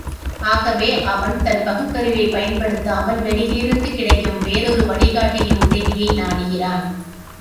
ஆகவே அவன் தன் பகுத்தறிவைப் பயன்படுத்தாமல், வெளியிலிருந்து கிடைக்கும் வேறொரு வழிகாட்டியின் உதவியை நாடுகிறான்.